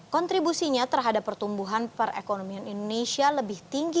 kontribusinya terhadap pertumbuhan perekonomian indonesia lebih tinggi